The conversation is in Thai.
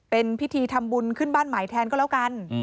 เป็นพิธีทำบุญขึ้นบ้านใหม่แทนก็แล้วกัน